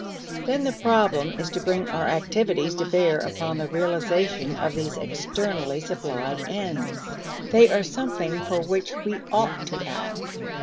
Then the problem is to bring our activities to bear upon the realization of these externally supplied ends. They are something for which we ought to act.